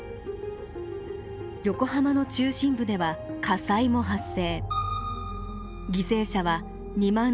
横浜の中心部では火災も発生。